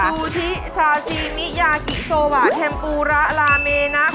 ซูชิซาซินิยากิโซบาทแฮมปูระลาเมนาท